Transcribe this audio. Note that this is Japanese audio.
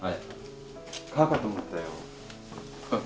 川かと思ったよ。